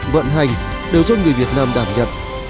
vận hành đều do người việt nam đảm nhận